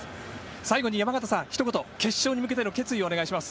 最後に山縣さんひと言、決勝に向けての決意をお願いします。